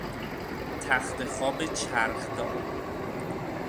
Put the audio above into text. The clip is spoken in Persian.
تختخواب چرخدار